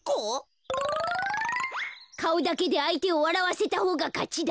かおだけであいてをわらわせたほうがかちだ。